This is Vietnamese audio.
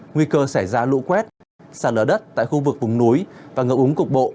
nguy cơ xảy ra lũ quét sạt lỡ đất tại khu vực vùng núi và ngợm úng cục bộ